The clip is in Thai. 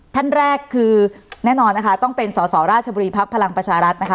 ท่านแรกคือแน่นอนนะคะต้องเป็นสอสอราชบุรีภักดิ์พลังประชารัฐนะคะ